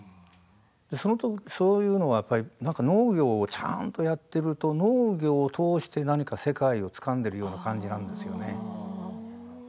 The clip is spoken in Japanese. そういうのはやっぱり農業をちゃんとやっていると農業を通して何が世界をつかんでいるような感じなんですね。